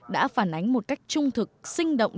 đã phản ánh một cách trung thực sinh động